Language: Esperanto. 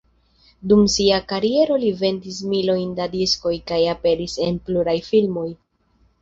Dum sia kariero li vendis milojn da diskoj kaj aperis en pluraj filmoj.